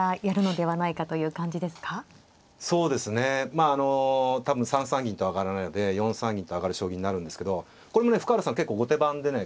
まああの多分３三銀と上がらないで４三銀と上がる将棋になるんですけどこれもね深浦さん結構後手番でね